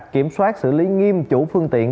kiểm soát xử lý nghiêm chủ phương tiện